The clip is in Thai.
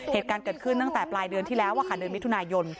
เหตุการณ์เกิดขึ้นตั้งแต่ปลายเดือนที่แล้วเดือนมิถุนายน